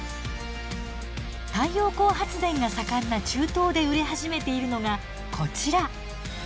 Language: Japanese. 太陽光発電が盛んな中東で売れ始めているのがこちら。